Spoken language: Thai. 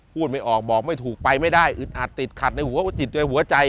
ไม่ออกบอกไม่ถูกไปไม่ได้อึดอัดติดขัดในหัวจิตโดยหัวใจ